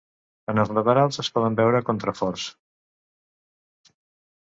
En els laterals es poden veure contraforts.